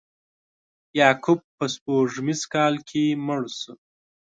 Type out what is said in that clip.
یعقوب په سپوږمیز کال کې مړ شو.